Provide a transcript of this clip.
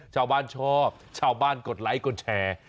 ชอบชาวบ้านกดไลค์กดแชร์